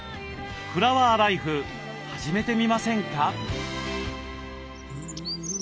フラワーライフ始めてみませんか？